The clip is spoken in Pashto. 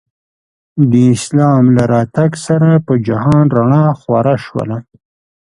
د اسلام له راتګ سره په جهان رڼا خوره شوله.